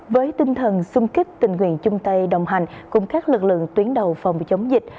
với tinh thần sung kích tình nguyện chung tay đồng hành cùng các lực lượng tuyến đầu phòng chống dịch